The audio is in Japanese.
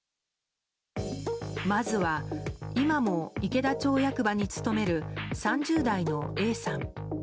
まずは、今も池田町役場に勤める３０代のＡさん。